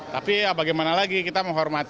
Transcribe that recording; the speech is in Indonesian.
tapi bagaimana lagi kita menghormati